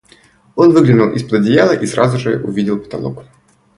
Он выглянул из-под одеяла и сразу же увидел потолок.